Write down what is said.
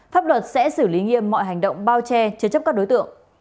pháp luật sẽ xử lý nghiêm mọi hành động bao che chế chấp các đối tượng